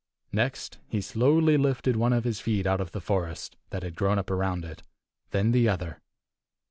Next, he slowly lifted one of his feet out of the forest, that had grown up around it, then the other.